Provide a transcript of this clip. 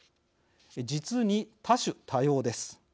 実に多種多様です。